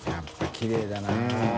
きれいだ。